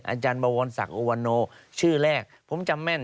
อาจารย์บวรศักดิโอวันโนชื่อแรกผมจำแม่น